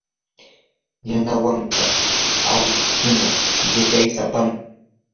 yanawanka awkinkuna yachaysapam.